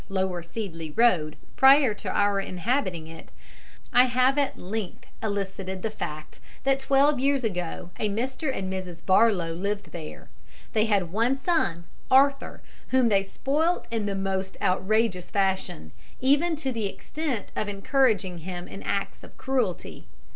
Lower Seedley Road prior to our inhabiting it, I have at length elicited the fact that twelve years ago a Mr. and Mrs. Barlowe lived there. They had one son, Arthur, whom they spoilt in the most outrageous fashion, even to the extent of encouraging him in acts of cruelty.